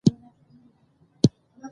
خو مکالمې پکې نه دي مراعت شوې،